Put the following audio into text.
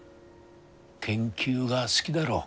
研究が好ぎだろう。